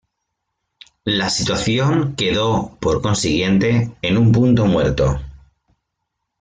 La situación quedó, por consiguiente, en un punto muerto.